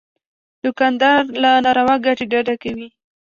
دوکاندار له ناروا ګټې ډډه کوي.